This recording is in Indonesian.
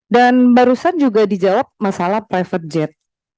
dan barusan juga dijawab masalah private jet